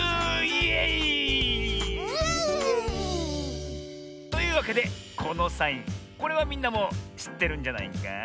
イエイー！というわけでこのサインこれはみんなもしってるんじゃないか？